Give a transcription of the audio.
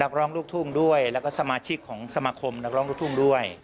ร้องลูกทุ่งด้วยแล้วก็สมาชิกของสมาคมนักร้องลูกทุ่งด้วย